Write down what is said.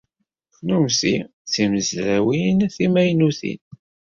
Kennemti d timezrawin timaynutin.